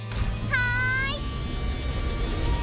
はい！